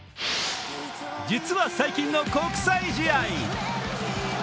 実は最近の国際試合。